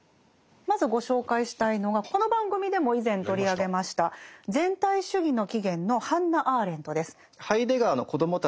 まずご紹介したいのがこの番組でも以前取り上げました「全体主義の起原」のハンナ・アーレントです。